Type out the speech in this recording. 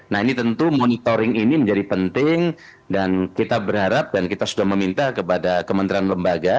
nah ini tentu monitoring ini menjadi penting dan kita berharap dan kita sudah meminta kepada kementerian lembaga